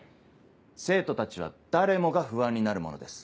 生徒たちは誰もが不安になるものです。